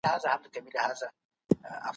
زه هره ورځ هڅه کوم.